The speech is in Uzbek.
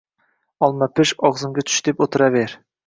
Olma pish, og'zimga tush deb o'tiraver.